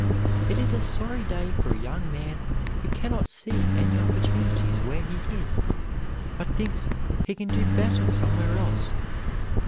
It is a sorry day for a young man who can not see any opportunities where he is, but thinks he can do better somewhere else.